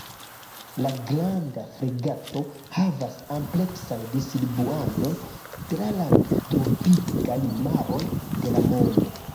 La Granda fregato havas ampleksan distribuadon tra la tropikaj maroj de la mondo.